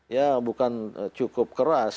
ya bukan cukup keras